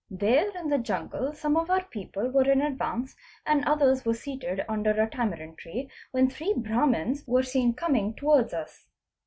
There in the jungle some of our people were in advance f and others were seated under a tamarind tree, when three Brahmans _ were seen coming towards us.